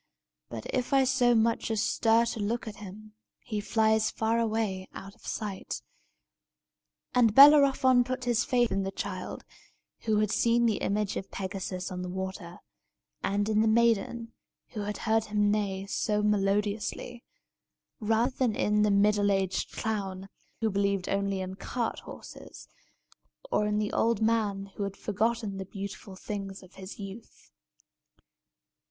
But, if I so much as stir to look at him, he flies far away out of sight." And Bellerophon put his faith in the child, who had seen the image of Pegasus in the water, and in the maiden, who had heard him neigh so melodiously, rather than in the middle aged clown, who believed only in cart horses, or in the old man who had forgotten the beautiful things of his youth.